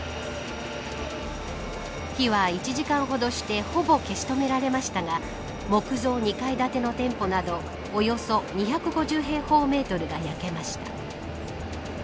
火は１時間ほどしてほぼ消し止められましたが木造２階建ての店舗などおよそ２５０平方メートルが焼けました。